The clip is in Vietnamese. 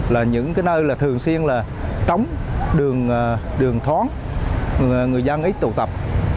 là những nơi thường xuyên trống đường thoáng người dân ít tụ tập